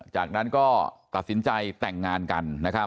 จากนั้นก็ตัดสินใจแต่งงานกัน